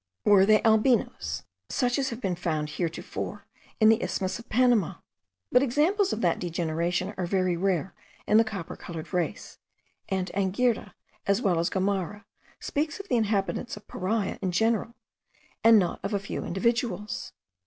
Were they albinos, such as have been found heretofore in the isthmus of Panama? But examples of that degeneration are very rare in the copper coloured race; and Anghiera, as well as Gomara, speaks of the inhabitants of Paria in general, and not of a few individuals.